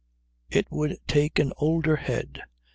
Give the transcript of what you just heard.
It would take an older head."